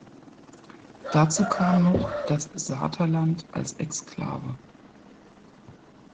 Dazu kam noch das Saterland als Exklave.